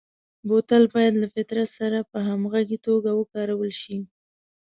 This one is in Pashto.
بوتل باید له فطرت سره په همغږي توګه وکارول شي.